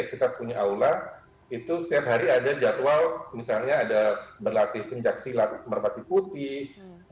kita punya aula itu setiap hari ada jadwal misalnya ada berlatih pencaksilat merpati putih